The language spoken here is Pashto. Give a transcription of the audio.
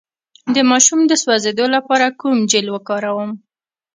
د ماشوم د سوځیدو لپاره کوم جیل وکاروم؟